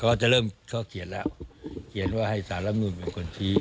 ก็จะเริ่มเขาเขียนแล้วเขียนว่าให้สารรับนูนเป็นคนชี้